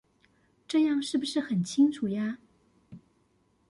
這樣是不是很清楚呀？